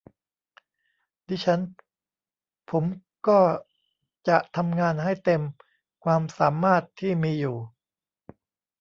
ดิฉันผมก็จะทำงานให้เต็มความสามารถที่มีอยู่